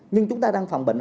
nhưng chúng ta đang phòng bệnh